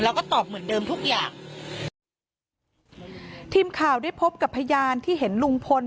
แล้วก็ตอบเหมือนเดิมทุกอย่างทีมข่าวได้พบกับพยานที่เห็นลุงพล